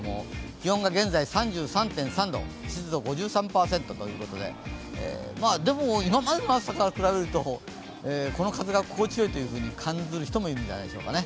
気温が現在、３３．３度、湿度５３％ということででも、今までの暑さから比べると、この風が心地よいと感じる人もいるかもしれません。